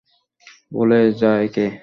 ভুলে যা একে।